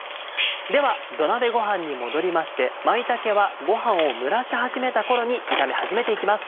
では土鍋ごはんに戻りまして舞茸はごはんを蒸らし始めた頃に炒め始めていきます。